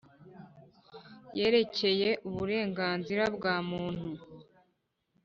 yerekeye uburenganzira bwa Muntu.